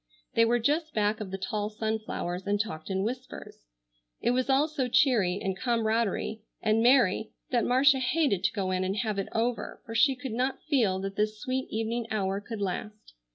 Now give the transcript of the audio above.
They were just back of the tall sunflowers, and talked in whispers. It was all so cheery, and comradey, and merry, that Marcia hated to go in and have it over, for she could not feel that this sweet evening hour could last.